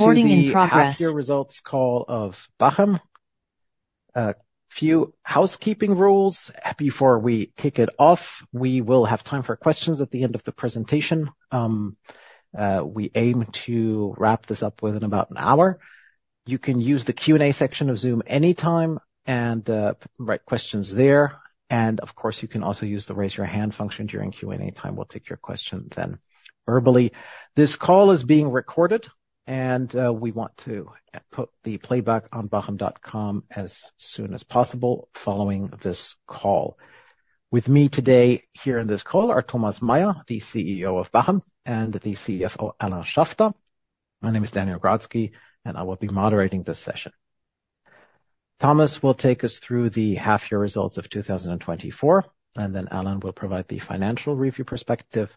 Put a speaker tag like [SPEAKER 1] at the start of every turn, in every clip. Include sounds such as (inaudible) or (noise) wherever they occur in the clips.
[SPEAKER 1] Recording in progress.
[SPEAKER 2] Back to your results call of Bachem. A few housekeeping rules: before we kick it off, we will have time for questions at the end of the presentation. We aim to wrap this up within about an hour. You can use the Q&A section of Zoom anytime and write questions there. And, of course, you can also use the raise-your-hand function during Q&A time. We'll take your question then verbally. This call is being recorded, and we want to put the playback on Bachem.com as soon as possible following this call. With me today here in this call are Thomas Meier, the CEO of Bachem, and the CFO, Alain Schaffter. My name is Daniel Grotzky, and I will be moderating this session. Thomas will take us through the half-year results of 2024, and then Alain will provide the financial review perspective.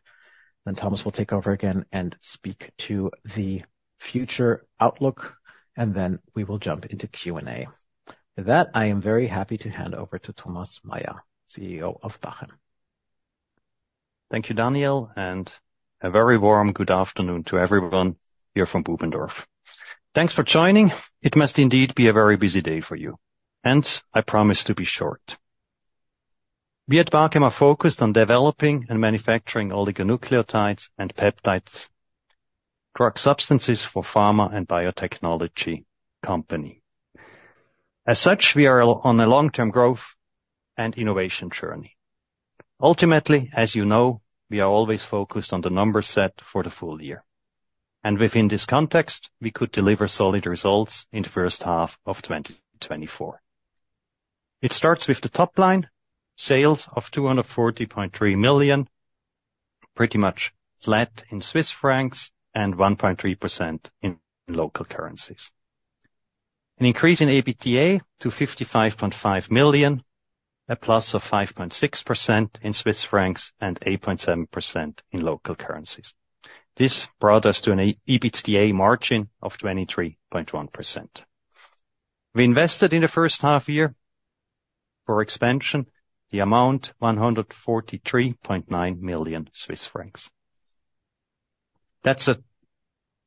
[SPEAKER 2] Then Thomas will take over again and speak to the future outlook, and then we will jump into Q&A. With that, I am very happy to hand over to Thomas Meier, CEO of Bachem.
[SPEAKER 3] Thank you, Daniel, and a very warm good afternoon to everyone here from Bubendorf. Thanks for joining. It must indeed be a very busy day for you, and I promise to be short. We at Bachem are focused on developing and manufacturing oligonucleotides and peptides, drug substances for pharma and biotechnology companies. As such, we are on a long-term growth and innovation journey. Ultimately, as you know, we are always focused on the numbers set for the full year. And within this context, we could deliver solid results in the first half of 2024. It starts with the top line: sales of 240.3 million, pretty much flat in Swiss francs and 1.3% in local currencies. An increase in EBITDA to 55.5 million, a plus of 5.6% in Swiss francs and 8.7% in local currencies. This brought us to an EBITDA margin of 23.1%. We invested in the first half year for expansion, the amount 143.9 million Swiss francs. That's a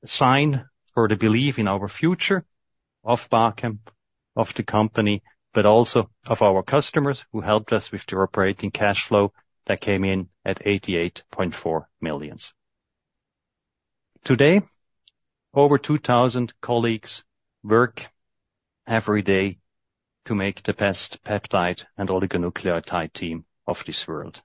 [SPEAKER 3] sign for the belief in our future of Bachem, of the company, but also of our customers who helped us with the operating cash flow that came in at 88.4 million. Today, over 2,000 colleagues work every day to make the best peptide and oligonucleotide team of this world.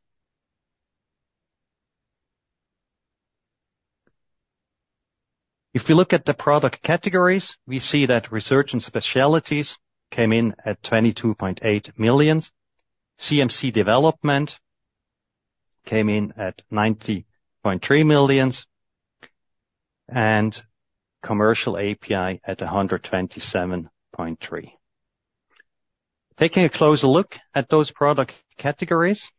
[SPEAKER 3] If we look at the product categories, we see that research and specialties came in at 22.8 million, CMC development came in at 90.3 million, and commercial API at 127.3 million. Taking a closer look at those product categories,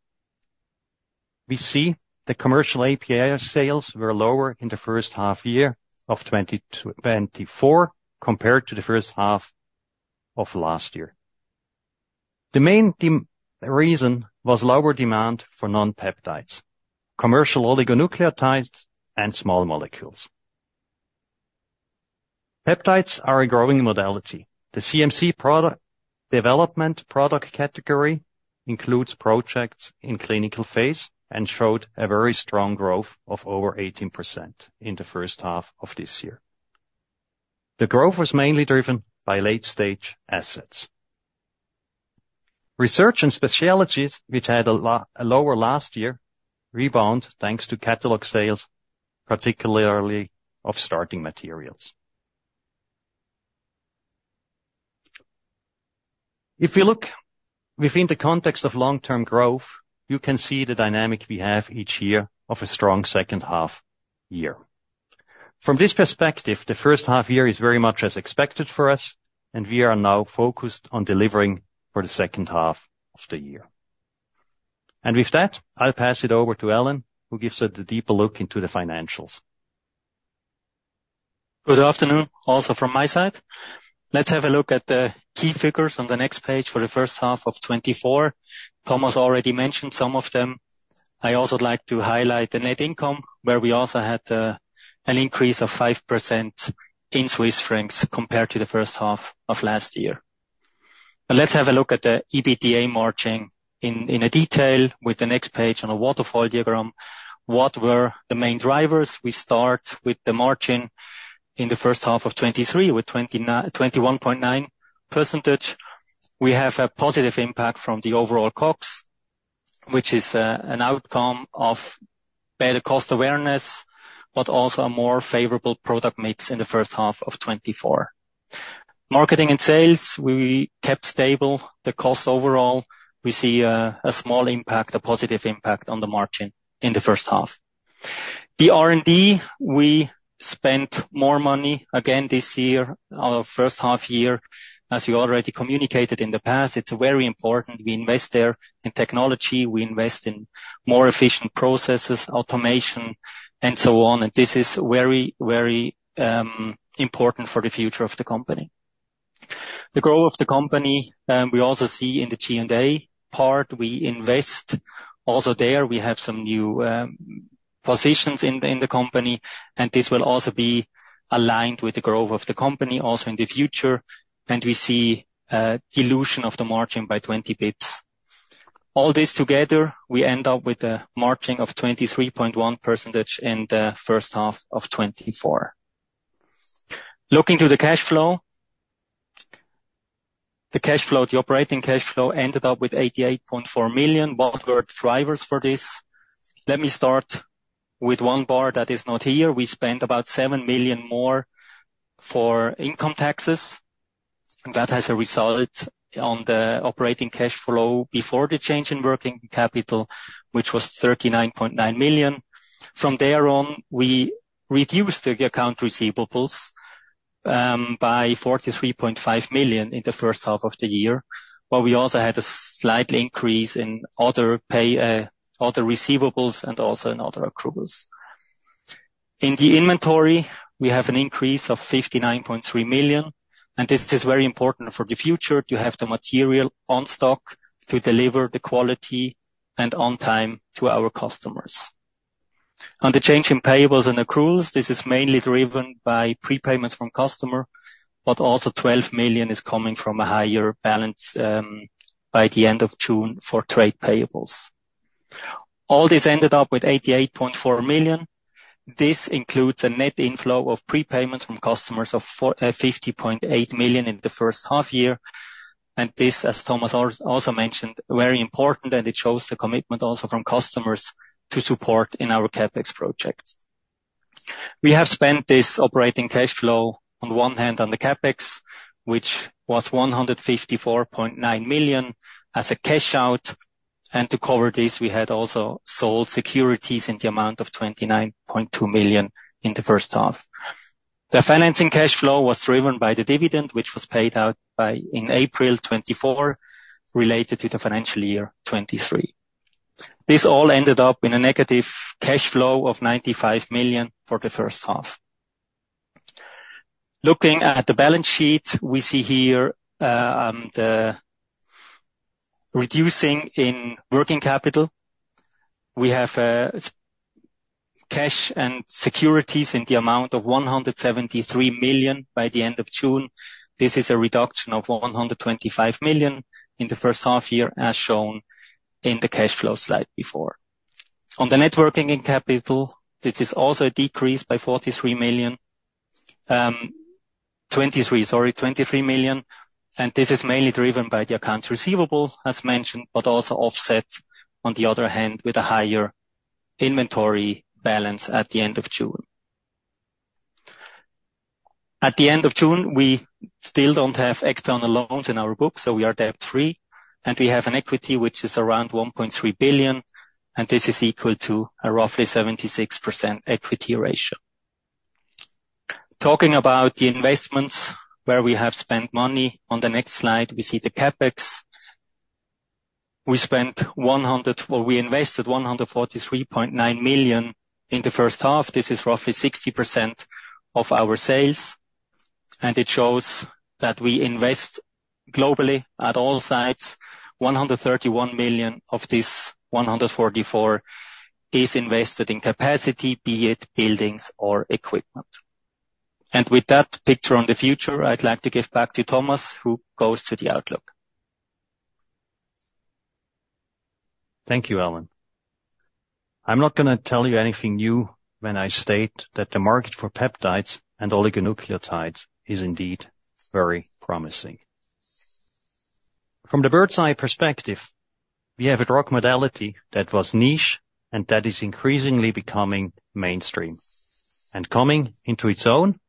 [SPEAKER 3] we see the commercial API sales were lower in the first half year of 2024 compared to the first half of last year. The main reason was lower demand for non-peptides, commercial oligonucleotides, and small molecules. Peptides are a growing modality. The CMC product development product category includes projects in clinical phase and showed a very strong growth of over 18% in the first half of this year. The growth was mainly driven by late-stage assets. Research and specialties, which had a lower last year, rebound thanks to catalog sales, particularly of starting materials. If we look within the context of long-term growth, you can see the dynamic we have each year of a strong second half year. From this perspective, the first half year is very much as expected for us, and we are now focused on delivering for the second half of the year. With that, I'll pass it over to Alain, who gives us a deeper look into the financials.
[SPEAKER 4] Good afternoon also from my side. Let's have a look at the key figures on the next page for the first half of 2024. Thomas already mentioned some of them. I also would like to highlight the net income, where we also had an increase of 5% in Swiss francs compared to the first half of last year. Let's have a look at the EBITDA margin in detail with the next page on a waterfall diagram. What were the main drivers? We start with the margin in the first half of 2023 with 21.9%. We have a positive impact from the overall COGS, which is an outcome of better cost awareness, but also a more favorable product mix in the first half of 2024. Marketing and sales, we kept stable the cost overall. We see a small impact, a positive impact on the margin in the first half. The R&D, we spent more money again this year on our first half year, as we already communicated in the past. It's very important. We invest there in technology. We invest in more efficient processes, automation, and so on. This is very, very important for the future of the company. The growth of the company, we also see in the Q&A part. We invest also there. We have some new positions in the company, and this will also be aligned with the growth of the company also in the future. We see dilution of the margin by 20 pips. All this together, we end up with a margin of 23.1% in the first half of 2024. Looking to the cash flow, the cash flow, the operating cash flow ended up with 88.4 million. What were the drivers for this? Let me start with one bar that is not here. We spent about 7 million more for income taxes. That has a result on the operating cash flow before the change in working capital, which was 39.9 million. From there on, we reduced the accounts receivable by 43.5 million in the first half of the year, but we also had a slight increase in other receivables and also in other accruals. In the inventory, we have an increase of 59.3 million. And this is very important for the future to have the material on stock to deliver the quality and on time to our customers. On the change in payables and accruals, this is mainly driven by prepayments from customers, but also 12 million is coming from a higher balance by the end of June for trade payables. All this ended up with 88.4 million. This includes a net inflow of prepayments from customers of 50.8 million in the first half year. And this, as Thomas also mentioned, is very important, and it shows the commitment also from customers to support in our CapEx projects. We have spent this operating cash flow on one hand on the CapEx, which was 154.9 million as a cash out. And to cover this, we had also sold securities in the amount of 29.2 million in the first half. The financing cash flow was driven by the dividend, which was paid out in April 2024 related to the financial year 2023. This all ended up in a negative cash flow of 95 million for the first half. Looking at the balance sheet, we see here the reduction in working capital. We have cash and securities in the amount of 173 million by the end of June. This is a reduction of 125 million in the first half year, as shown in the cash flow slide before. On the net working capital, this is also a decrease by 43 million, 23, sorry, 23 million. This is mainly driven by the account receivable, as mentioned, but also offset on the other hand with a higher inventory balance at the end of June. At the end of June, we still don't have external loans in our book, so we are debt-free. We have an equity, which is around 1.3 billion, and this is equal to a roughly 76% equity ratio. Talking about the investments where we have spent money, on the next slide, we see the CapEx. We spent 100, or we invested 143.9 million in the first half. This is roughly 60% of our sales. It shows that we invest globally at all sites. 131 million of this 144 is invested in capacity, be it buildings or equipment. With that picture on the future, I'd like to give back to Thomas, who goes to the outlook.
[SPEAKER 3] Thank you, Alain. I'm not going to tell you anything new when I state that the market for peptides and oligonucleotides is indeed very promising. From the bird's-eye perspective, we have a drug modality that was niche and that is increasingly becoming mainstream and coming into its own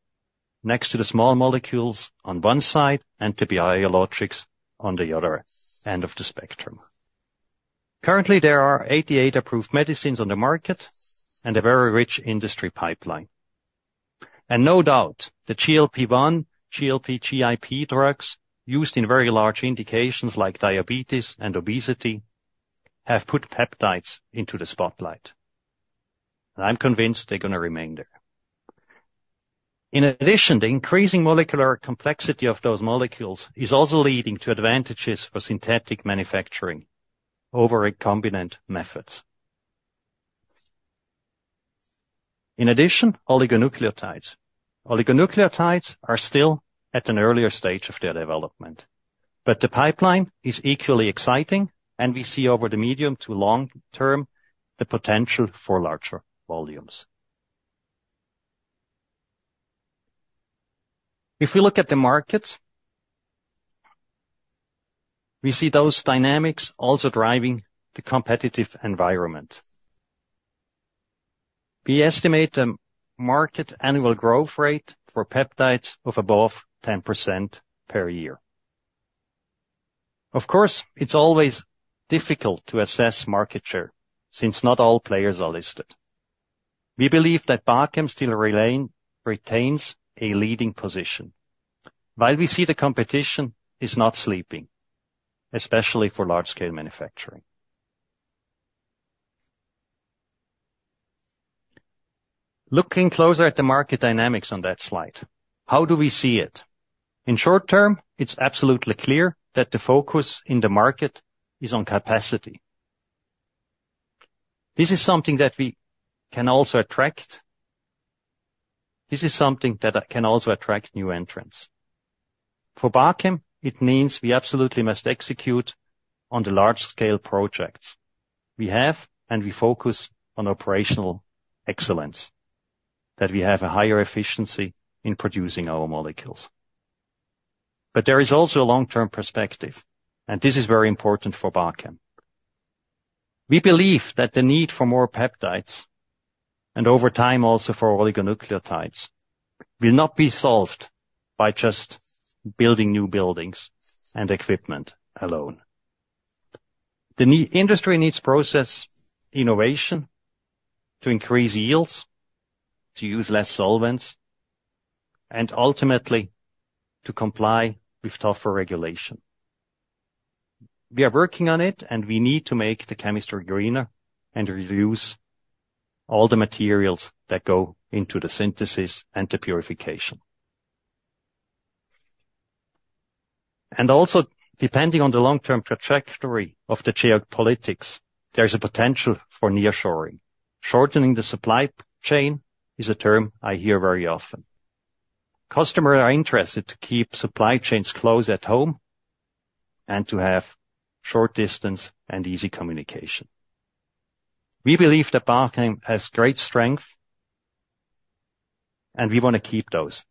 [SPEAKER 3] next to the small molecules on one side and to biologics on the other end of the spectrum. Currently, there are 88 approved medicines on the market and a very rich industry pipeline. And no doubt the GLP-1, GLP-GIP drugs used in very large indications like diabetes and obesity have put peptides into the spotlight. And I'm convinced they're going to remain there. In addition, the increasing molecular complexity of those molecules is also leading to advantages for synthetic manufacturing over recombinant methods. In addition, oligonucleotides. Oligonucleotides are still at an earlier stage of their development, but the pipeline is equally exciting, and we see over the medium to long term the potential for larger volumes. If we look at the markets, we see those dynamics also driving the competitive environment. We estimate the market annual growth rate for peptides of above 10% per year. Of course, it's always difficult to assess market share since not all players are listed. We believe that Bachem still retains a leading position, while we see the competition is not sleeping, especially for large-scale manufacturing. Looking closer at the market dynamics on that slide, how do we see it? In short term, it's absolutely clear that the focus in the market is on capacity. This is something that we can also attract. This is something that can also attract new entrants. For Bachem, it means we absolutely must execute on the large-scale projects. We have and we focus on operational excellence, that we have a higher efficiency in producing our molecules. But there is also a long-term perspective, and this is very important for Bachem. We believe that the need for more peptides and over time also for oligonucleotides will not be solved by just building new buildings and equipment alone. The industry needs process innovation to increase yields, to use less solvents, and ultimately to comply with tougher regulation. We are working on it, and we need to make the chemistry greener and reduce all the materials that go into the synthesis and the purification. And also, depending on the long-term trajectory of the geopolitics, there's a potential for nearshoring. Shortening the supply chain is a term I hear very often. Customers are interested to keep supply chains close at home and to have short distance and easy communication. We believe that Bachem has great strength, and we want to keep those.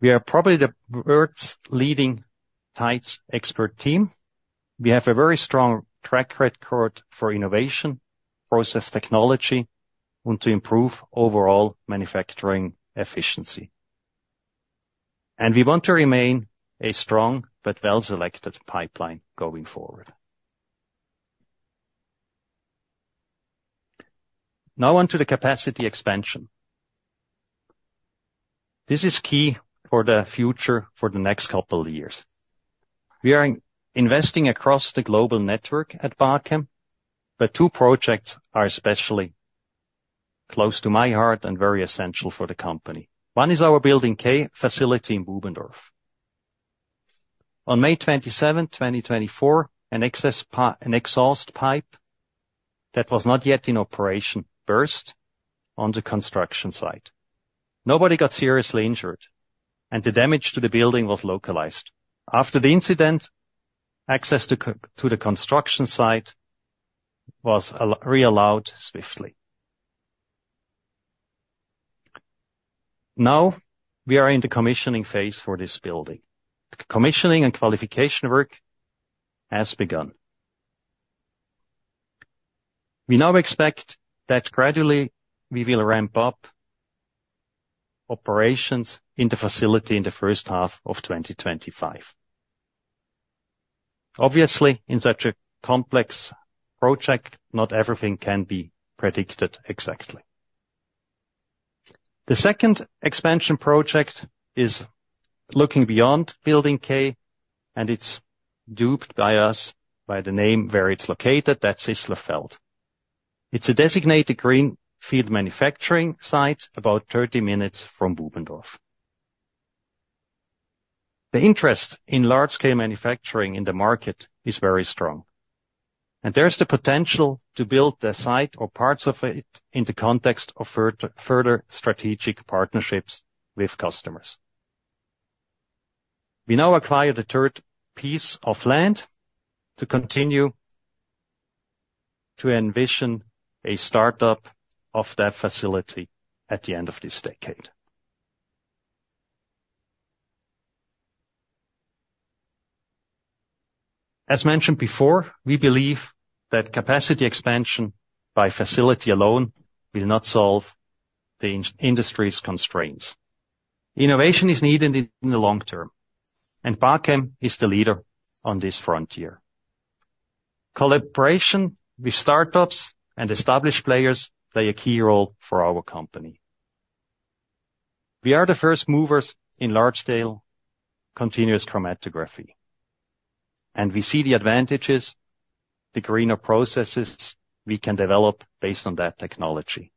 [SPEAKER 3] We are probably the world's leading tights expert team. We have a very strong track record for innovation, process technology, and to improve overall manufacturing efficiency. We want to remain a strong but well-selected pipeline going forward. Now on to the capacity expansion. This is key for the future for the next couple of years. We are investing across the global network at Bachem, but two projects are especially close to my heart and very essential for the company. One is our Building K facility in Bubendorf. On May 27, 2024, an exhaust pipe that was not yet in operation burst on the construction site. Nobody got seriously injured, and the damage to the building was localized. After the incident, access to the construction site was reallowed swiftly. Now we are in the commissioning phase for this building. Commissioning and qualification work has begun. We now expect that gradually we will ramp up operations in the facility in the first half of 2025. Obviously, in such a complex project, not everything can be predicted exactly. The second expansion project is looking beyond Building K, and it's dubbed by us by the name where it's located, that's Sisslerfeld. It's a designated greenfield manufacturing site about 30 minutes from Bubendorf. The interest in large-scale manufacturing in the market is very strong, and there's the potential to build the site or parts of it in the context of further strategic partnerships with customers. We now acquire the third piece of land to continue to envision a startup of that facility at the end of this decade. As mentioned before, we believe that capacity expansion by facility alone will not solve the industry's constraints. Innovation is needed in the long term, and Bachem is the leader on this frontier. Collaboration with startups and established players plays a key role for our company. We are the first movers in large-scale continuous chromatography, and we see the advantages, the greener processes we can develop based on that technology.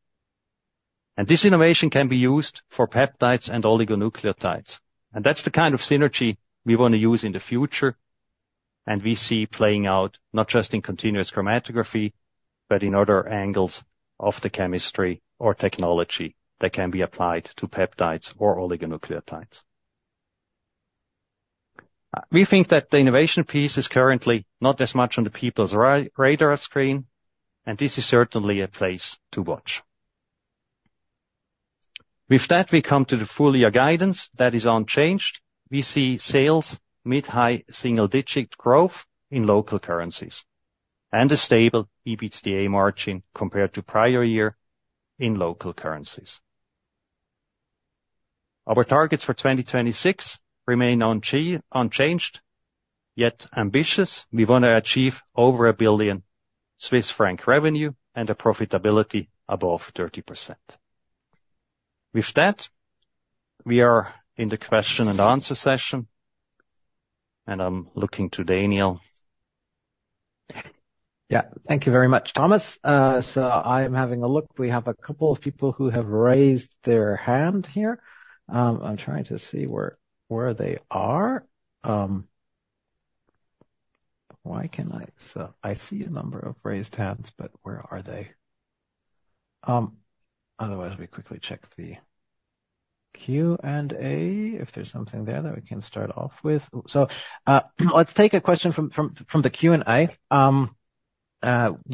[SPEAKER 3] This innovation can be used for peptides and oligonucleotides. That's the kind of synergy we want to use in the future, and we see playing out not just in continuous chromatography, but in other angles of the chemistry or technology that can be applied to peptides or oligonucleotides. We think that the innovation piece is currently not as much on the people's radar screen, and this is certainly a place to watch. With that, we come to the full-year guidance that is unchanged. We see sales, mid-high single-digit growth in local currencies, and a stable EBITDA margin compared to prior year in local currencies. Our targets for 2026 remain unchanged, yet ambitious. We want to achieve over 1 billion Swiss franc revenue and a profitability above 30%. With that, we are in the question and answer session, and I'm looking to Daniel.
[SPEAKER 2] Yeah, thank you very much, Thomas. So I am having a look. We have a couple of people who have raised their hand here. I'm trying to see where they are. Why can I? So I see a number of raised hands, but where are they? Otherwise, we quickly check the Q&A if there's something there that we can start off with. So let's take a question from the Q&A.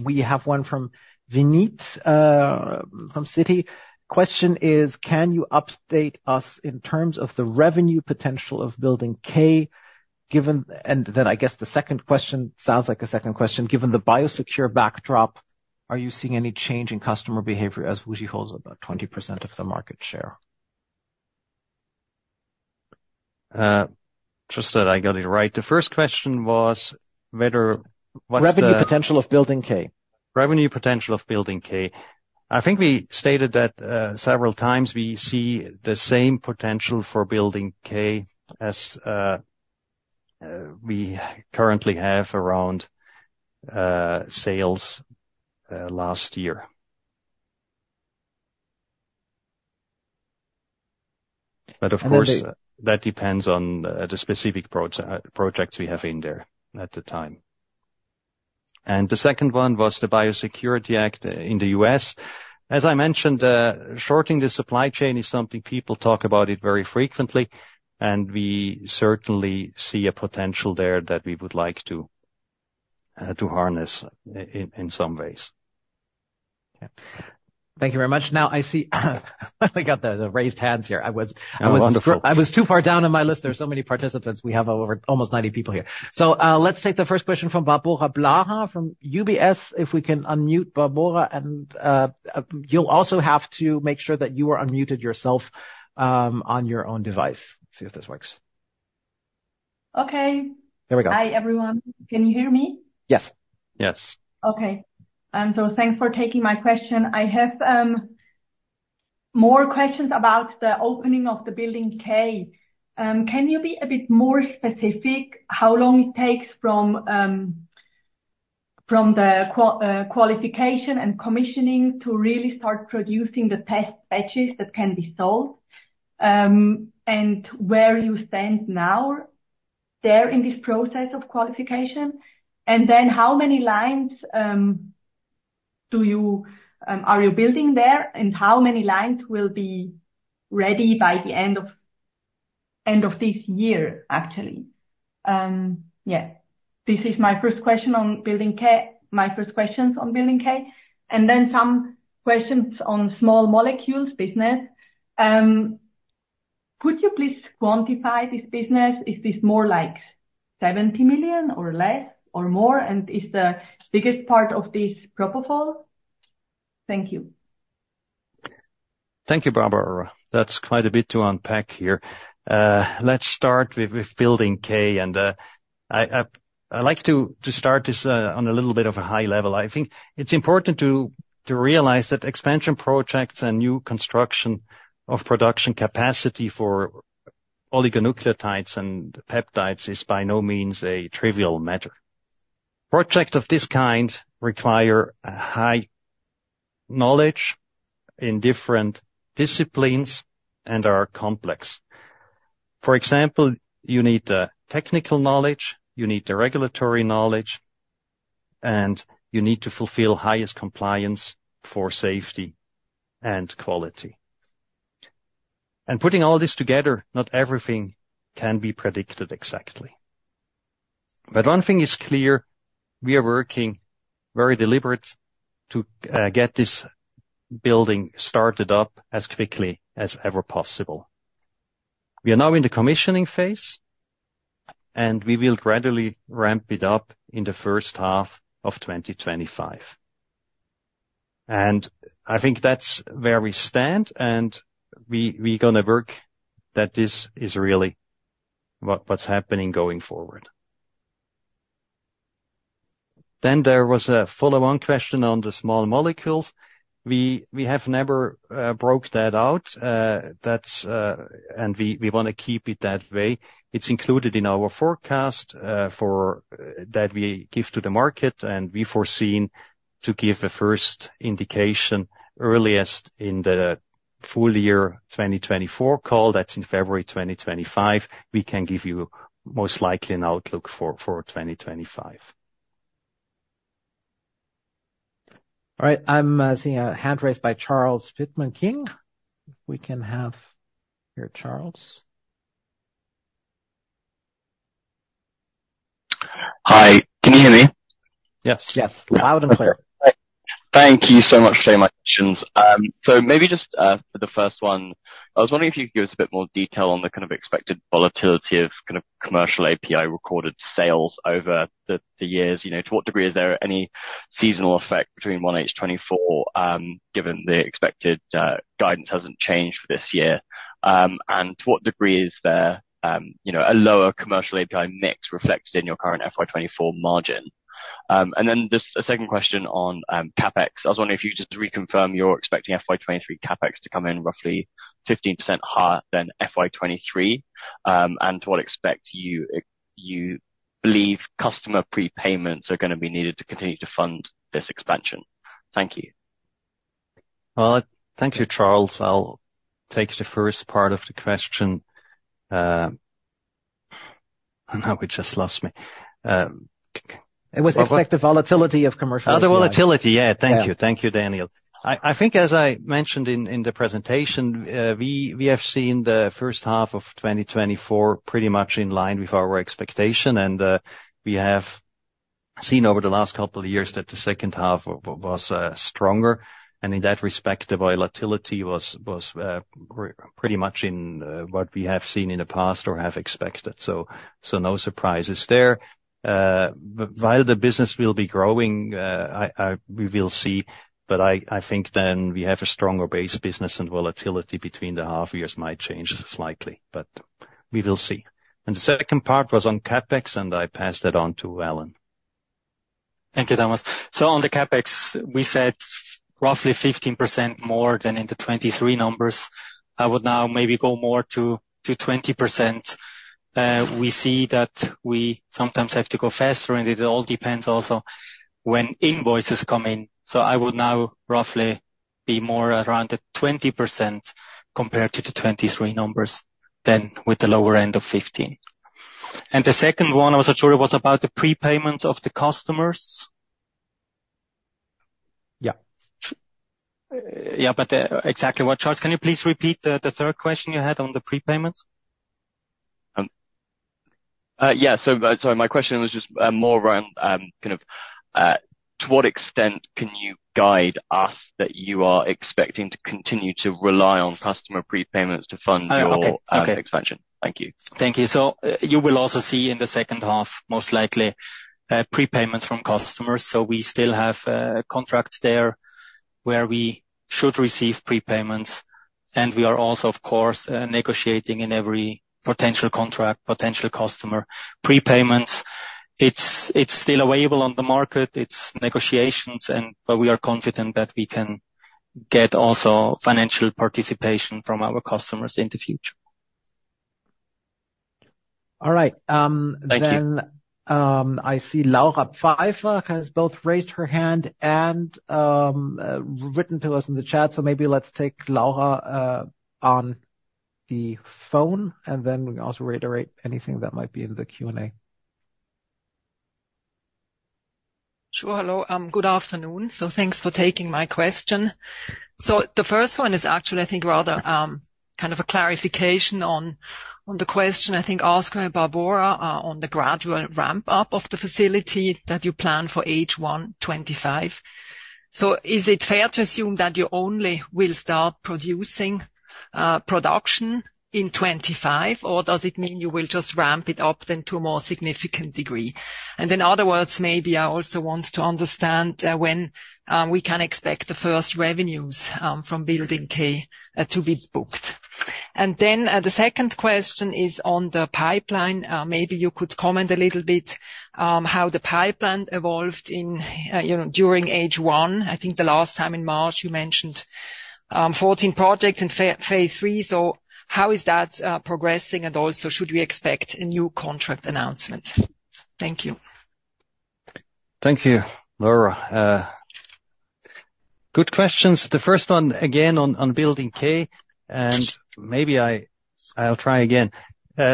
[SPEAKER 2] We have one from Vineet from Citi. Question is, can you update us in terms of the revenue potential of Building K given? And then I guess the second question sounds like a second question. Given the Biosecure backdrop, are you seeing any change in customer behavior as WuXi holds about 20% of the market share?
[SPEAKER 3] Trust that I got it right. The first question was whether what's the.
[SPEAKER 2] Revenue potential of Building K.
[SPEAKER 3] Revenue potential of Building K. I think we stated that several times we see the same potential for Building K as we currently have around sales last year. But of course, that depends on the specific projects we have in there at the time. The second one was the Biosecure Act in the U.S. As I mentioned, shortening the supply chain is something people talk about very frequently, and we certainly see a potential there that we would like to harness in some ways.
[SPEAKER 2] Thank you very much. Now, I see we got the raised hands here. I was.
[SPEAKER 3] Oh, wonderful.
[SPEAKER 2] I was too far down on my list. There are so many participants. We have almost 90 people here. So let's take the first question from Barbora Blaha from UBS if we can unmute Barbora. And you'll also have to make sure that you are unmuted yourself on your own device. See if this works.
[SPEAKER 5] Okay.
[SPEAKER 2] There we go.
[SPEAKER 5] Hi everyone. Can you hear me?
[SPEAKER 2] Yes.
[SPEAKER 3] Yes.
[SPEAKER 5] Okay. Thanks for taking my question. I have more questions about the opening of the Building K. Can you be a bit more specific how long it takes from the qualification and commissioning to really start producing the test batches that can be sold and where you stand now there in this process of qualification? And then how many lines are you building there? And how many lines will be ready by the end of this year, actually? Yeah. This is my first questions on Building K, and then some questions on small molecules business. Could you please quantify this business? Is this more like 70 million or less or more? And is the biggest part of this propofol? Thank you.
[SPEAKER 3] Thank you, Barbora. That's quite a bit to unpack here. Let's start with Building K. I like to start this on a little bit of a high level. I think it's important to realize that expansion projects and new construction of production capacity for oligonucleotides and peptides is by no means a trivial matter. Projects of this kind require high knowledge in different disciplines and are complex. For example, you need the technical knowledge, you need the regulatory knowledge, and you need to fulfill highest compliance for safety and quality. Putting all this together, not everything can be predicted exactly. But one thing is clear. We are working very deliberately to get this building started up as quickly as ever possible. We are now in the commissioning phase, and we will gradually ramp it up in the first half of 2025. And I think that's where we stand, and we're going to work that this is really what's happening going forward. Then there was a follow-on question on the small molecules. We have never broken that out, and we want to keep it that way. It's included in our forecast that we give to the market, and we foresee to give the first indication earliest in the full year 2024 call. That's in February 2025. We can give you most likely an outlook for 2025.
[SPEAKER 2] All right. I'm seeing a hand raised by Charles Pitman-King. If we can have your Charles.
[SPEAKER 6] Hi. Can you hear me?
[SPEAKER 2] Yes. Yes. Loud and clear.
[SPEAKER 6] Thank you so much for my questions. So maybe just for the first one, I was wondering if you could give us a bit more detail on the kind of expected volatility of kind of commercial API recorded sales over the years. To what degree is there any seasonal effect between 1H 2024, given the expected guidance hasn't changed for this year? And to what degree is a lower commercial API mix reflected in your current FY 2024 margin? And then just a second question on CapEx. I was wondering if you could just reconfirm you're expecting FY 2023 CapEx to come in roughly 15% higher than FY 2023. And to what extent do you believe customer prepayments are going to be needed to continue to fund this expansion? Thank you.
[SPEAKER 3] Well, thank you, Charles. I'll take the first part of the question. Now we just lost me.
[SPEAKER 2] It was expected volatility of commercial API.
[SPEAKER 3] Oh, the volatility. Yeah. Thank you. Thank you, Daniel. I think, as I mentioned in the presentation, we have seen the first half of 2024 pretty much in line with our expectation. We have seen over the last couple of years that the second half was stronger. In that respect, the volatility was pretty much in what we have seen in the past or have expected. So no surprises there. While the business will be growing, we will see. But I think then we have a stronger base business, and volatility between the half years might change slightly, but we will see. The second part was on CapEx, and I passed that on to Alain.
[SPEAKER 4] Thank you, Thomas. So on the CapEx, we said roughly 15% more than in the 2023 numbers. I would now maybe go more to 20%. We see that we sometimes have to go faster, and it all depends also when invoices come in. So I would now roughly be more around the 20% compared to the 2023 numbers than with the lower end of 15. And the second one, I was not sure it was about the prepayments of the customers.
[SPEAKER 3] Yeah.
[SPEAKER 4] Yeah, but exactly what, Charles? Can you please repeat the third question you had on the prepayments?
[SPEAKER 6] Yeah. So sorry, my question was just more around kind of to what extent can you guide us that you are expecting to continue to rely on customer prepayments to fund your expansion? Thank you.
[SPEAKER 4] Thank you. So you will also see in the second half, most likely prepayments from customers. So we still have contracts there where we should receive prepayments. And we are also, of course, negotiating in every potential contract, potential customer prepayments. It's still available on the market. It's negotiations, but we are confident that we can get also financial participation from our customers in the future.
[SPEAKER 2] All right. Then I see Laura Pfeiffer has both raised her hand and written to us in the chat. So maybe let's take Laura on the phone, and then we can also reiterate anything that might be in the Q&A.
[SPEAKER 6] Sure. Hello. Good afternoon. So thanks for taking my question. So the first one is actually, I think, rather kind of a clarification on the question. I think Oscar and Barbora are on the gradual ramp-up of the facility that you plan for H1 2025. So is it fair to assume that you only will start production in 2025, or does it mean you will just ramp it up then to a more significant degree? And in other words, maybe I also want to understand when we can expect the first revenues from Building K to be booked. And then the second question is on the pipeline. Maybe you could comment a little bit on how the pipeline evolved during H1. I think the last time in March, you mentioned 14 projects in phase three. So how is that progressing? And also, should we expect a new contract announcement? Thank you.
[SPEAKER 3] Thank you, Laura. Good questions. The first one again on Building K, and maybe I'll try again.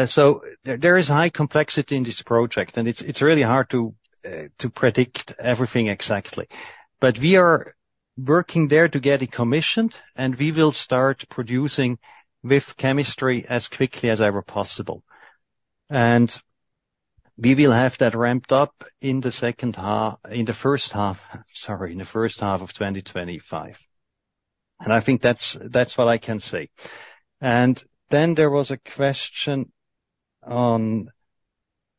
[SPEAKER 3] So there is high complexity in this project, and it's really hard to predict everything exactly. But we are working there to get it commissioned, and we will start producing with chemistry as quickly as ever possible. And we will have that ramped up in the second half, in the first half, sorry, in the first half of 2025. And I think that's what I can say. And then there was a question on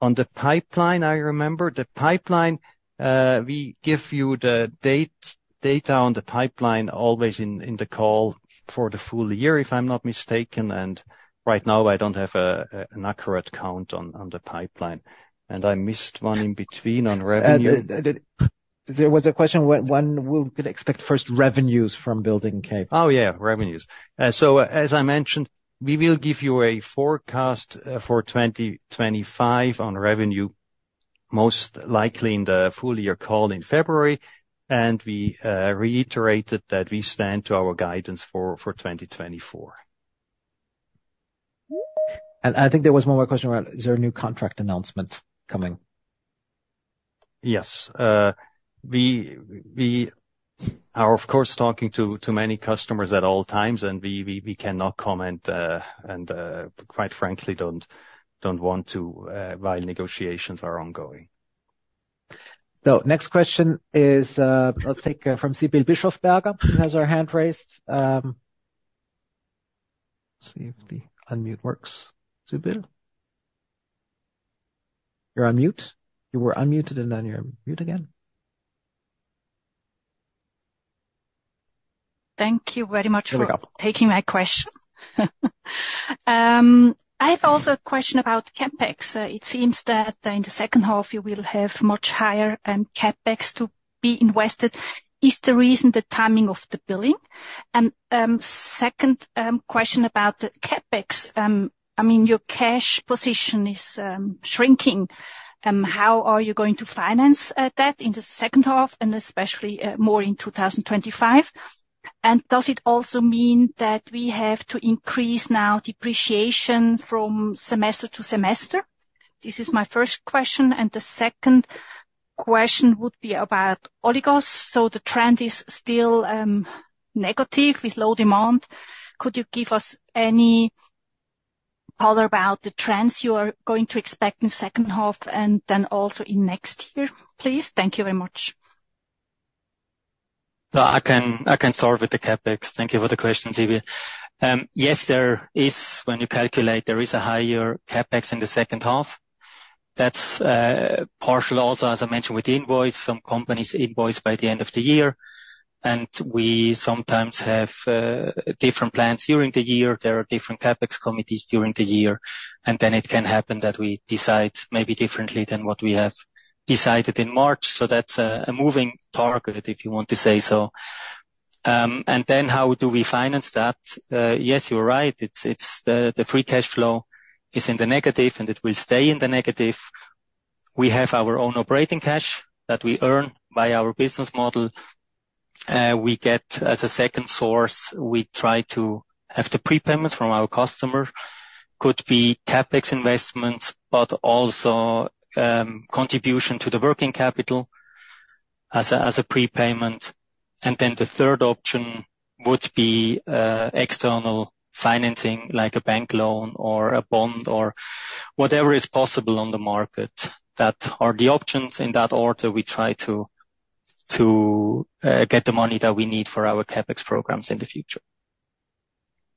[SPEAKER 3] the pipeline. I remember the pipeline. We give you the data on the pipeline always in the call for the full year, if I'm not mistaken. And right now, I don't have an accurate count on the pipeline, and I missed one in between on revenue.
[SPEAKER 2] There was a question when we could expect first revenues from Building K.
[SPEAKER 3] Oh, yeah, revenues. As I mentioned, we will give you a forecast for 2025 on revenue, most likely in the full year call in February. We reiterated that we stand to our guidance for 2024.
[SPEAKER 2] I think there was one more question around, is there a new contract announcement coming?
[SPEAKER 3] Yes. We are, of course, talking to many customers at all times, and we cannot comment and, quite frankly, don't want to while negotiations are ongoing.
[SPEAKER 2] So next question is from Sibylle Bischofberger. Who has her hand raised? See if the unmute works. Sibylle? You're on mute. You were unmuted, and then you're on mute again.
[SPEAKER 6] Thank you very much for taking my question. I have also a question about CapEx. It seems that in the second half, you will have much higher CapEx to be invested. Is the reason the timing of the building? And second question about the CapEx. I mean, your cash position is shrinking. How are you going to finance that in the second half, and especially more in 2025? And does it also mean that we have to increase now depreciation from semester to semester? This is my first question. And the second question would be about oligos. So the trend is still negative with low demand. Could you give us any color about the trends you are going to expect in the second half and then also in next year, please? Thank you very much.
[SPEAKER 4] So I can start with the CapEx. Thank you for the question, Sibyl. Yes, there is, when you calculate, there is a higher CapEx in the second half. That's partial also, as I mentioned, with invoice. Some companies invoice by the end of the year. And we sometimes have different plans during the year. There are different CapEx committees during the year. And then it can happen that we decide maybe differently than what we have decided in March. So that's a moving target, if you want to say so. And then how do we finance that? Yes, you're right. The free cash flow is in the negative, and it will stay in the negative. We have our own operating cash that we earn by our business model. We get, as a second source, we try to have the prepayments from our customers. Could be CapEx investments, but also contribution to the working capital as a prepayment. And then the third option would be external financing, like a bank loan or a bond or whatever is possible on the market. That are the options. In that order, we try to get the money that we need for our CapEx programs in the future.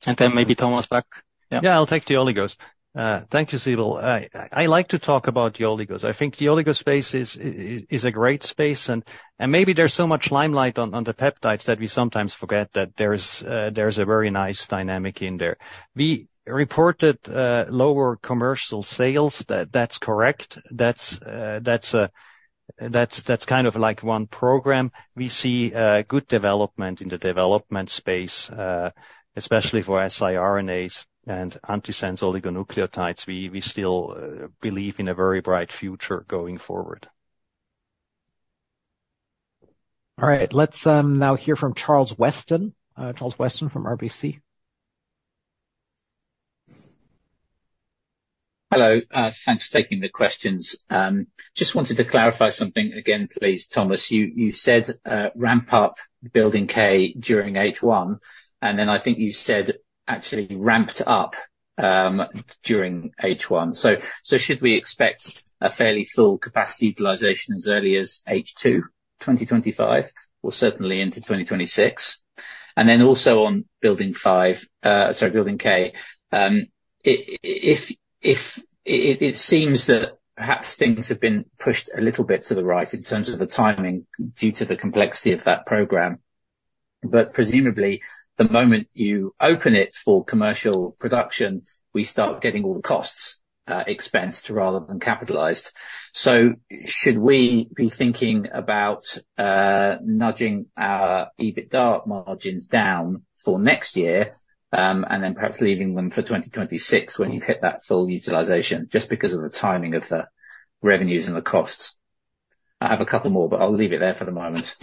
[SPEAKER 4] And then maybe Thomas back.
[SPEAKER 3] Yeah, I'll take the oligos. Thank you, Sibylle. I like to talk about the oligos. I think the oligo space is a great space. And maybe there's so much limelight on the peptides that we sometimes forget that there's a very nice dynamic in there. We reported lower commercial sales. That's correct. That's kind of like one program. We see good development in the development space, especially for siRNAs and antisense oligonucleotides. We still believe in a very bright future going forward.
[SPEAKER 2] All right. Let's now hear from Charles Weston. Charles Weston from RBC.
[SPEAKER 7] Hello. Thanks for taking the questions. Just wanted to clarify something again, please, Thomas. You said ramp-up Building K during H1. And then I think you said actually ramped up during H1. So should we expect a fairly full capacity utilization as early as H2, 2025, or certainly into 2026? And then also on Building K, it seems that perhaps things have been pushed a little bit to the right in terms of the timing due to the complexity of that program. But presumably, the moment you open it for commercial production, we start getting all the costs expensed rather than capitalized. So should we be thinking about nudging our EBITDA margins down for next year and then perhaps leaving them for 2026 when you hit that full utilization just because of the timing of the revenues and the costs? I have a couple more, but I'll leave it there for the moment.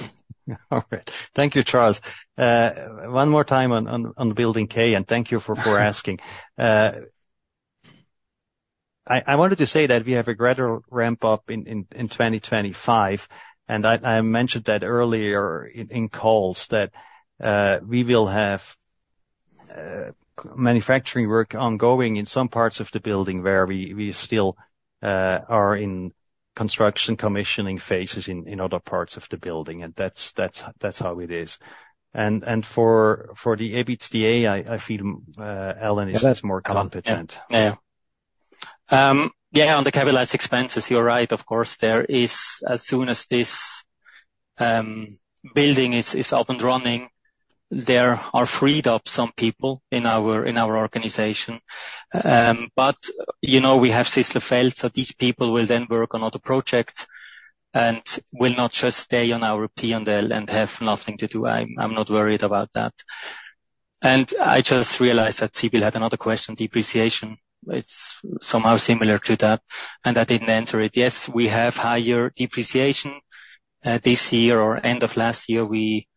[SPEAKER 3] All right. Thank you, Charles. One more time on Building K, and thank you for asking. I wanted to say that we have a gradual ramp-up in 2025. I mentioned that earlier in calls that we will have manufacturing work ongoing in some parts of the building where we still are in construction commissioning phases in other parts of the building. That's how it is. For the EBITDA, I feel Alain is much more competent.
[SPEAKER 4] Yeah. Yeah, on the capitalized expenses, you're right. Of course, there is, as soon as this building is up and running, there are freed up some people in our organization. But we have Sisslerfeld, so these people will then work on other projects and will not just stay on our P&L and have nothing to do. I'm not worried about that. And I just realized that Sibylle had another question, depreciation. It's somehow similar to that. And I didn't answer it. Yes, we have higher depreciation this year or end of last year. We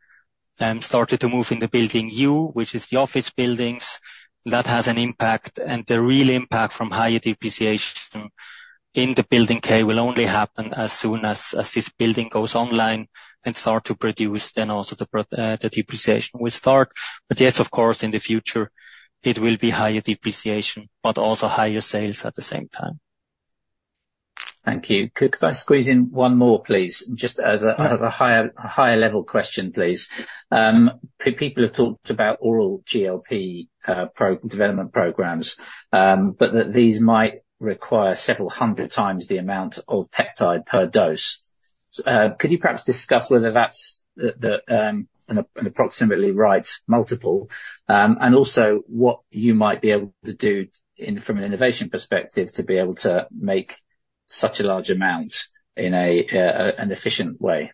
[SPEAKER 4] started to move in the Building U, which is the office buildings. That has an impact. And the real impact from higher depreciation in the Building K will only happen as soon as this building goes online and start to produce. Then also the depreciation will start. But yes, of course, in the future, it will be higher depreciation, but also higher sales at the same time.
[SPEAKER 7] Thank you. Could I squeeze in one more, please? Just as a higher level question, please. People have talked about oral GLP development programs, but that these might require several hundred times the amount of peptide per dose. Could you perhaps discuss whether that's an approximately right multiple? And also what you might be able to do from an innovation perspective to be able to make such a large amount in an efficient way?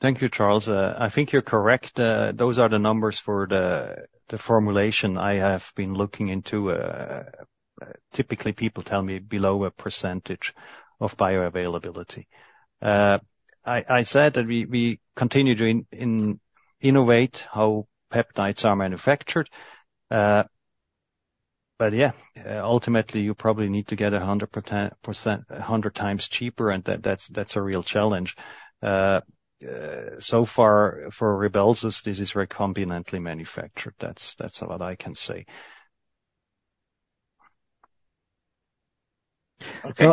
[SPEAKER 3] Thank you, Charles. I think you're correct. Those are the numbers for the formulation I have been looking into. Typically, people tell me below a percentage of bioavailability. I said that we continue to innovate how peptides are manufactured. But yeah, ultimately, you probably need to get 100 times cheaper, and that's a real challenge. So far, for Rybelsus, this is recombinantly manufactured. That's all I can say.
[SPEAKER 2] Okay.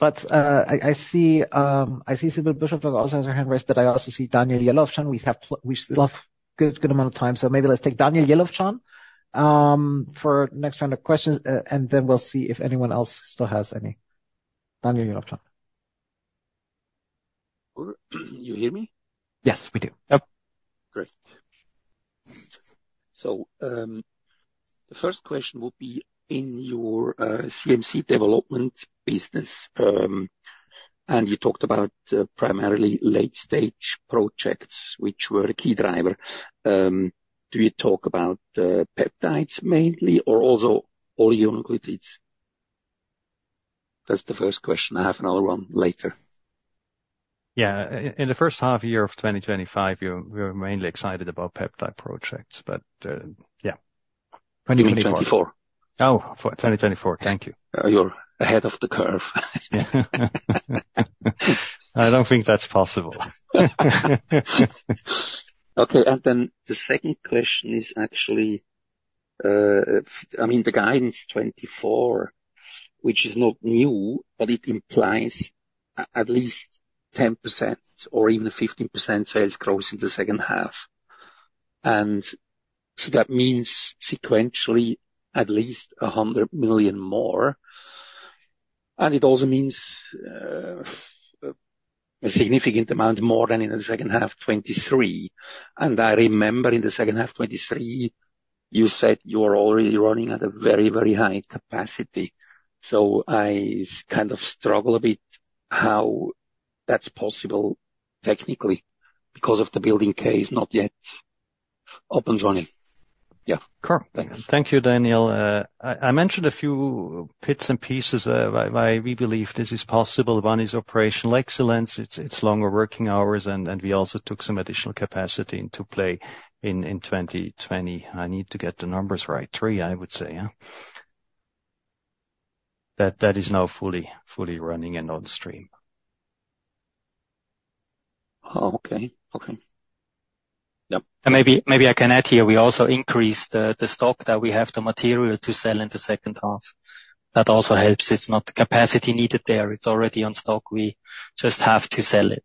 [SPEAKER 2] I see Sibylle Bischofberger also has her hand raised, but I also see Daniel Jelovcan. We still have a good amount of time. Maybe let's take Daniel Jelovcan for next round of questions, and then we'll see if anyone else still has any. Daniel Jelovcan.
[SPEAKER 6] You hear me?
[SPEAKER 2] Yes, we do.
[SPEAKER 6] Yep. Great. So the first question would be in your CMC development business, and you talked about primarily late-stage projects, which were the key driver. Do you talk about peptides mainly or also oligonucleotides? That's the first question. I have another one later.
[SPEAKER 3] Yeah. In the first half year of 2025, we were mainly excited about peptide projects, but yeah. 2024. Oh, 2024. Thank you.
[SPEAKER 4] You're ahead of the curve.
[SPEAKER 3] I don't think that's possible.
[SPEAKER 6] Okay. Then the second question is actually, I mean, the guidance 2024, which is not new, but it implies at least 10% or even 15% sales growth in the second half. And so that means sequentially at least 100 million more. And it also means a significant amount more than in the second half, 2023. And I remember in the second half, 2023, you said you were already running at a very, very high capacity. So I kind of struggle a bit how that's possible technically because Building K is not yet up and running. Yeah.
[SPEAKER 2] Cool.
[SPEAKER 4] Thank you, Daniel. I mentioned a few bits and pieces why we believe this is possible. 1 is operational excellence. It's longer working hours, and we also took some additional capacity into play in 2020. I need to get the numbers right. 3, I would say. That is now fully running and on stream.
[SPEAKER 3] Okay. Okay. Yeah. And maybe I can add here, we also increased the stock that we have the material to sell in the second half. That also helps. It's not the capacity needed there. It's already on stock. We just have to sell it.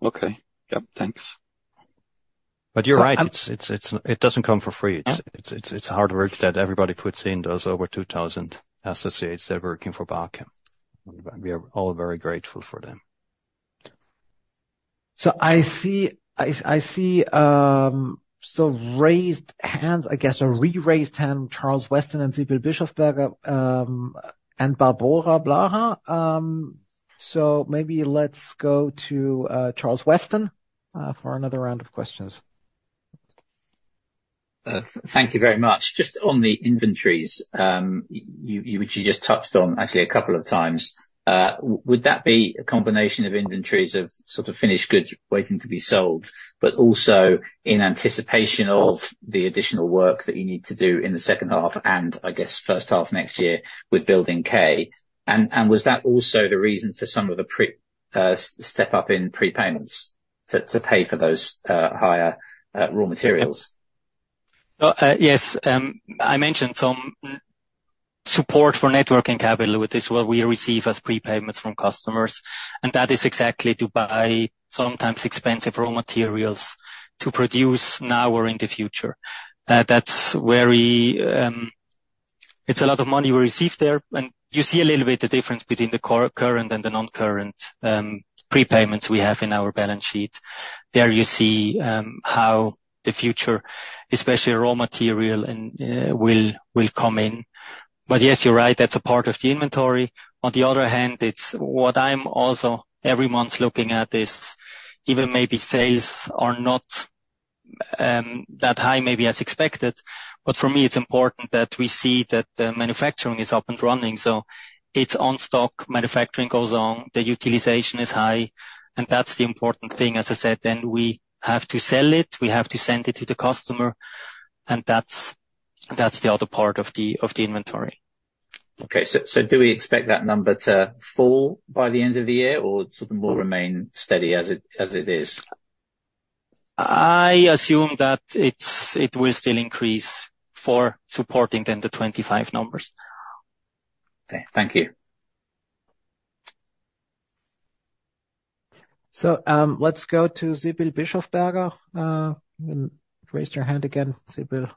[SPEAKER 6] Okay. Yep. Thanks.
[SPEAKER 3] But you're right. It doesn't come for free. It's hard work that everybody puts in. There's over 2,000 associates that are working for Bachem. We are all very grateful for them.
[SPEAKER 2] So I see some raised hands, I guess, a re-raised hand, Charles Weston and Sibylle Bischofberger and Barbora Blaha. So maybe let's go to Charles Weston for another round of questions.
[SPEAKER 7] Thank you very much. Just on the inventories, which you just touched on actually a couple of times, would that be a combination of inventories of sort of finished goods waiting to be sold, but also in anticipation of the additional work that you need to do in the second half and, I guess, first half next year with Building K? And was that also the reason for some of the step-up in prepayments to pay for those higher raw materials?
[SPEAKER 4] Yes. I mentioned some support for working capital with this what we receive as prepayments from customers. That is exactly to buy sometimes expensive raw materials to produce now or in the future. It's a lot of money we receive there. You see a little bit of difference between the current and the non-current prepayments we have in our balance sheet. There you see how the future, especially raw material, will come in. But yes, you're right. That's a part of the inventory. On the other hand, it's what I'm also every month looking at is even maybe sales are not that high maybe as expected. But for me, it's important that we see that the manufacturing is up and running. It's on stock. Manufacturing goes on. The utilization is high. And that's the important thing. As I said, then we have to sell it. We have to send it to the customer. That's the other part of the inventory. Okay. Do we expect that number to fall by the end of the year or sort of will remain steady as it is?
[SPEAKER 3] I assume that it will still increase for supporting then the 25 numbers.
[SPEAKER 7] Okay. Thank you.
[SPEAKER 2] So let's go to Sibylle Bischofberger. Raise your hand again, Sibylle.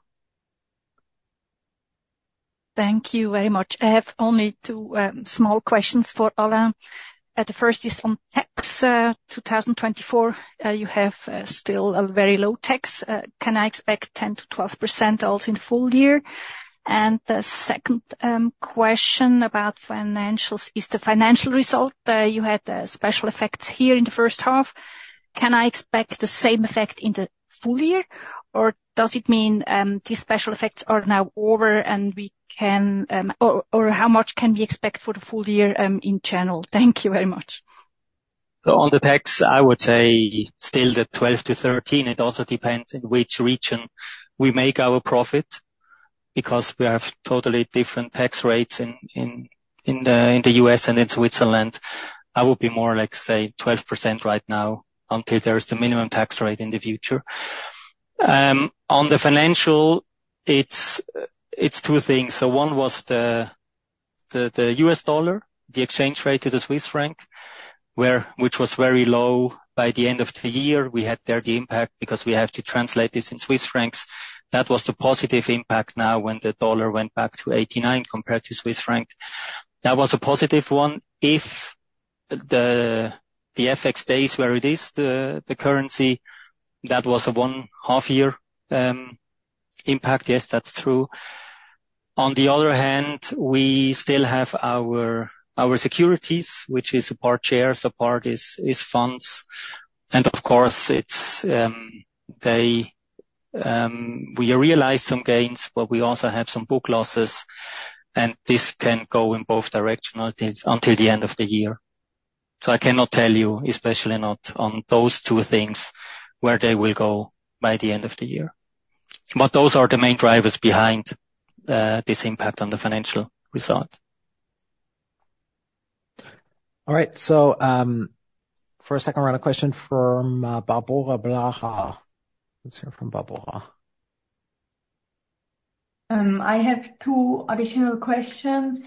[SPEAKER 6] Thank you very much. I have only two small questions for Ola. The first is on tax 2024. You have still a very low tax. Can I expect 10%-12% also in full year? And the second question about financials is the financial result. You had special effects here in the first half. Can I expect the same effect in the full year? Or does it mean these special effects are now over and we can or how much can we expect for the full year in general? Thank you very much.
[SPEAKER 4] So on the tax, I would say still the 12%-13%. It also depends in which region we make our profit because we have totally different tax rates in the U.S. and in Switzerland. I would be more like, say, 12% right now until there is the minimum tax rate in the future. On the financial, it's two things. So one was the U.S. dollar, the exchange rate to the Swiss franc, which was very low by the end of the year. We had there the impact because we have to translate this in Swiss francs. That was the positive impact now when the dollar went back to 89 compared to Swiss francs. That was a positive one. If the FX stays where it is, the currency, that was a one-half-year impact. Yes, that's true. On the other hand, we still have our securities, which is a part shares, a part is funds. And of course, we realize some gains, but we also have some book losses. And this can go in both directions until the end of the year. So I cannot tell you, especially not on those two things, where they will go by the end of the year. But those are the main drivers behind this impact on the financial result. All right. So for a second round of questions from Barbora Blaha. Let's hear from Barbora Blaha.
[SPEAKER 5] I have two additional questions.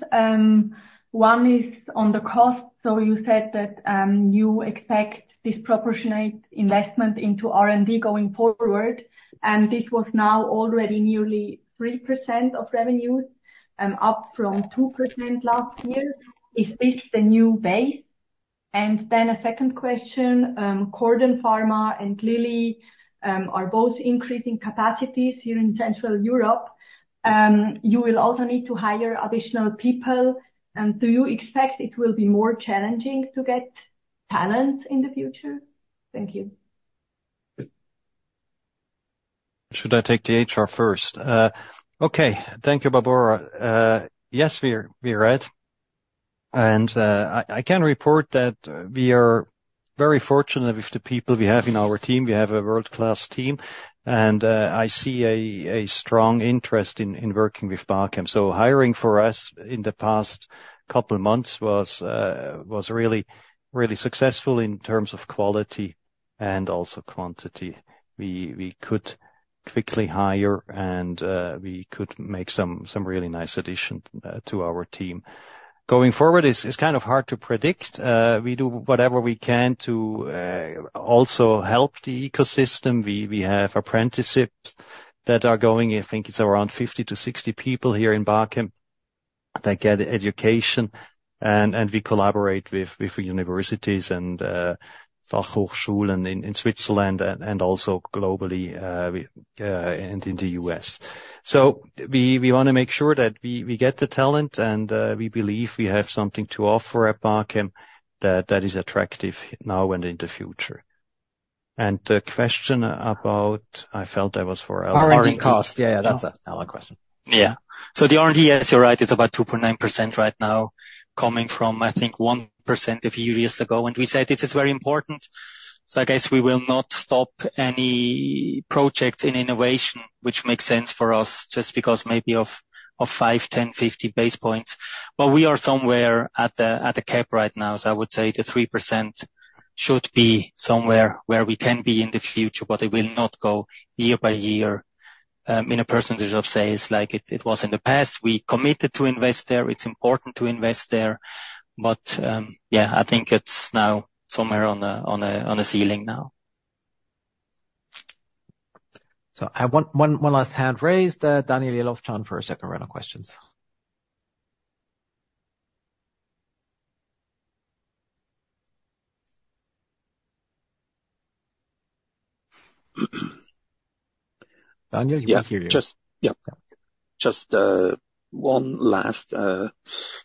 [SPEAKER 5] One is on the cost. So you said that you expect disproportionate investment into R&D going forward. And this was now already nearly 3% of revenues, up from 2% last year. Is this the new base? And then a second question, CordenPharma and Lilly are both increasing capacities here in Central Europe. You will also need to hire additional people. Do you expect it will be more challenging to get talent in the future? Thank you.
[SPEAKER 3] Should I take the HR first? Okay. Thank you, Barbora. Yes, we're right. I can report that we are very fortunate with the people we have in our team. We have a world-class team. I see a strong interest in working with Bachem. Hiring for us in the past couple of months was really successful in terms of quality and also quantity. We could quickly hire, and we could make some really nice additions to our team. Going forward is kind of hard to predict. We do whatever we can to also help the ecosystem. We have apprenticeships that are going. I think it's around 50-60 people here in Bachem that get education. We collaborate with universities and Fachhochschulen in Switzerland and also globally and in the US. So we want to make sure that we get the talent, and we believe we have something to offer at Bachem that is attractive now and in the future. The question about I felt that was for our R&D.
[SPEAKER 4] R&D cost. Yeah, yeah. That's another question. Yeah. So the R&D, yes, you're right. It's about 2.9% right now, coming from, I think, 1% a few years ago. And we said this is very important. So I guess we will not stop any projects in innovation, which makes sense for us just because maybe of five, 10, 50 basis points. But we are somewhere at the cap right now. So I would say the 3% should be somewhere where we can be in the future, but it will not go year by year in a percentage of sales like it was in the past. We committed to invest there. It's important to invest there. But yeah, I think it's now somewhere on a ceiling now.
[SPEAKER 2] So I have one last hand raised. Daniel Jelovcan for a second round of questions.
[SPEAKER 6] Daniel, you can hear you.
[SPEAKER 2] Yeah.
[SPEAKER 6] Just one last. The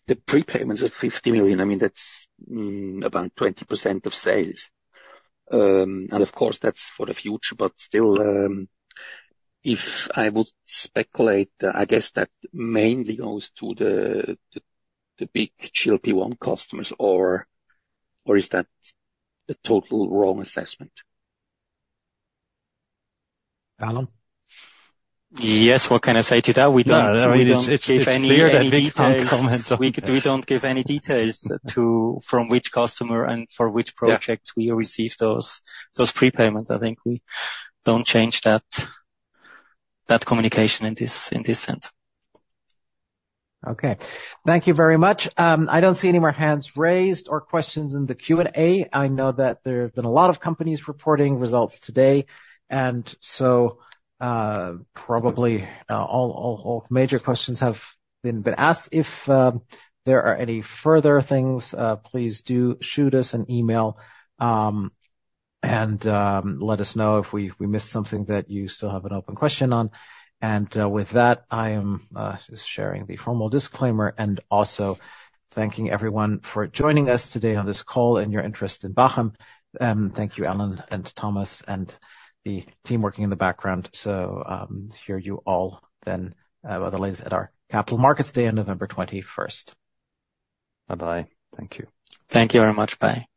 [SPEAKER 6] prepayments are 50 million. I mean, that's about 20% of sales. And of course, that's for the future. But still, if I would speculate, I guess that mainly goes to the big GLP-1 customers, or is that a total wrong assessment? Alan?
[SPEAKER 4] Yes, what can I say to that? (crosstalk) We don't give any details from which customer and for which projects we receive those prepayments. I think we don't change that communication in this sense.
[SPEAKER 6] Okay.
[SPEAKER 2] Thank you very much. I don't see any more hands raised or questions in the Q&A. I know that there have been a lot of companies reporting results today. So probably all major questions have been asked. If there are any further things, please do shoot us an email and let us know if we missed something that you still have an open question on. With that, I am just sharing the formal disclaimer and also thanking everyone for joining us today on this call and your interest in Bachem. Thank you, Alain and Thomas and the team working in the background. So hear you all then otherwise at our Capital Markets Day on November 21st.
[SPEAKER 3] Bye-bye. Thank you.
[SPEAKER 4] Thank you very much. Bye.